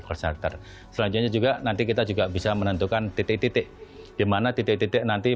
call certer selanjutnya juga nanti kita juga bisa menentukan titik titik dimana titik titik nanti